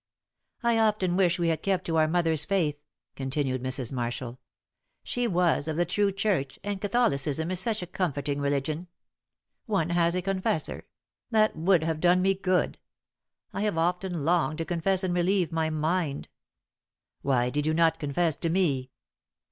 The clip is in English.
"I often wish we had kept to our mother's faith," continued Mrs. Marshall. "She was of the true Church, and Catholicism is such a comforting religion. One has a confessor; that would have done me good. I have often longed to confess and relieve my mind." "Why did you not confess to me?"